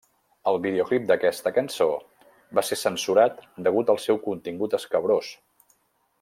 El videoclip d'aquesta cançó va ser censurat degut al seu contingut escabrós.